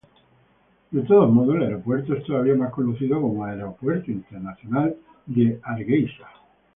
De todos modos el aeropuerto es todavía más conocido como, "Aeropuerto Internacional de Hargeisa".